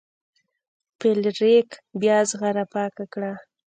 فلیریک بیا زغره پاکه کړه.